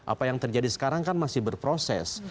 apa yang terjadi sekarang kan masih berproses